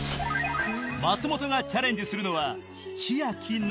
松本がチャレンジするのは